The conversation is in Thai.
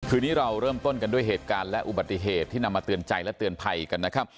นี้เราเริ่มต้นกันด้วยเหตุการณ์และอุบัติเหตุที่นำมาเตือนใจและเตือนภัยกันนะครับ